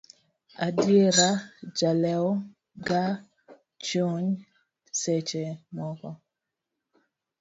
Adiera jalewo ga chuny seche moko.